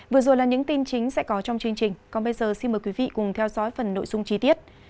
vừa rồi là những tin chính sẽ có trong chương trình còn bây giờ xin mời quý vị cùng theo dõi phần nội dung chi tiết